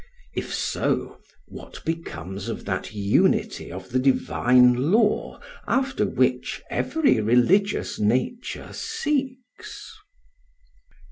If so, what becomes of that unity of the divine law after which every religious nature seeks?